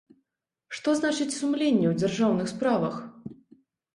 Што значыць сумленне ў дзяржаўных справах?